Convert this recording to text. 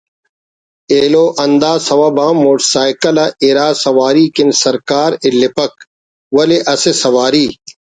ایلو ہندا سوب آن motor cycle آ اِرا سواری کن سرکار اِلیپک ولے اسہ سواری